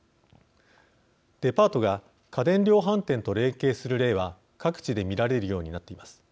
デパートが家電量販店と連携する例は各地で見られるようになっています。